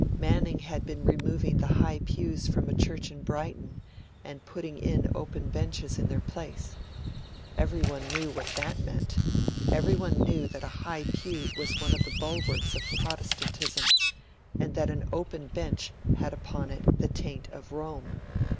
Manning had been removing the high pews from a church in Brighton, and putting in open benches in their place. Everyone knew what that meant; everyone knew that a high pew was one of the bulwarks of Protestantism, and that an open bench had upon it the taint of Rome.